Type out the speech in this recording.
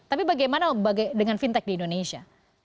tapi bagaimana dengan fintech di indonesia